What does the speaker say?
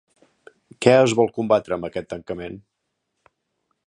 Què es vol combatre amb aquest tancament?